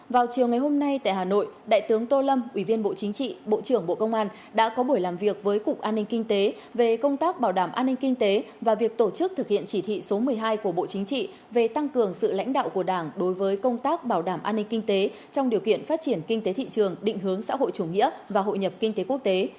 vào chiều ngày hôm nay tại hà nội đại tướng tô lâm ủy viên bộ chính trị bộ trưởng bộ công an đã có buổi làm việc với cục an ninh kinh tế về công tác bảo đảm an ninh kinh tế và việc tổ chức thực hiện chỉ thị số một mươi hai của bộ chính trị về tăng cường sự lãnh đạo của đảng đối với công tác bảo đảm an ninh kinh tế trong điều kiện phát triển kinh tế thị trường định hướng xã hội chủ nghĩa và hội nhập kinh tế quốc tế